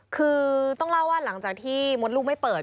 คือต้องเล่าว่าหลังจากที่มดลูกไม่เปิด